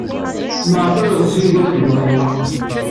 Maɣef ay yeɣs Yidir ad geɣ aya?